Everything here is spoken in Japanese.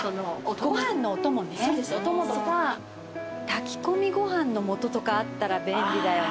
炊き込みご飯のもととかあったら便利だよね。